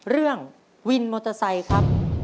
เรื่องวินมอเตอร์ไซค์ครับ